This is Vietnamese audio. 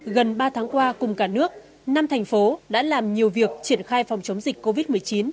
gần ba tháng qua cùng cả nước năm thành phố đã làm nhiều việc triển khai phòng chống dịch covid một mươi chín